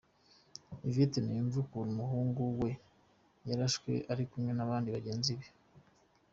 Yvette ntiyumva ukuntu umuhungu we yarashwe ari kumwe nabandi bagenzi be.